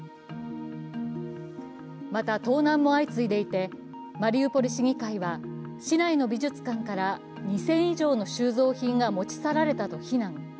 また、盗難も相次いでいて、マリウポリ市議会は市内の美術館から２０００以上の収蔵品が持ち去られたと非難。